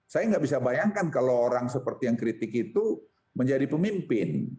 saya nggak bisa bayangkan kalau orang seperti yang kritik itu menjadi pemimpin